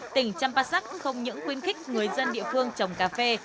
tỉnh champasak không những khuyến khích người dân địa phương trồng cà phê